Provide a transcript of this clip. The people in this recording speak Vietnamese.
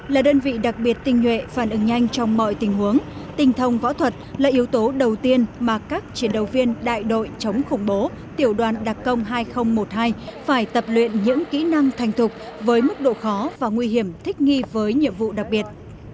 là đơn vị đặc biệt tinh nhuệ phản ứng nhanh trong mọi tình huống tinh thông võ thuật là yếu tố đầu tiên mà các chiến đấu viên đại đội chống khủng bố tiểu đoàn đặc công hai nghìn một mươi hai phải tập luyện những kỹ năng thành thục với mức độ khó và nguy hiểm thích nghi với nhiệm vụ đặc biệt